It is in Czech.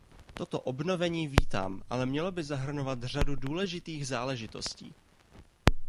Toto obnovení vítám, ale mělo by zahrnovat řadu důležitých záležitostí.